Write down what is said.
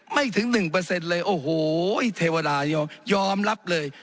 ไม่ถึง๑เลยโอ้โหเทวดายอมยอมรับเลย